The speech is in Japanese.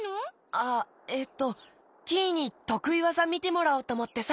あえっとキイにとくいわざみてもらおうとおもってさ。